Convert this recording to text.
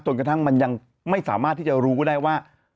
กระทั่งมันยังไม่สามารถที่จะรู้ได้ว่า